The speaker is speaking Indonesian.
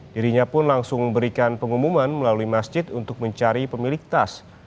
dirinya pun langsung memberikan pengumuman melalui masjid untuk mencari pemilik tas